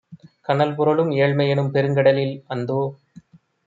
"கனல்புரளும் ஏழ்மையெனும் பெருங்கடலில், அந்தோ!